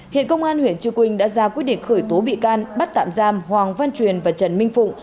hiện công an huyện trư quynh đã ra quyết định khởi tố bị can bắt tạm giam hoàng văn truyền và trần minh phụng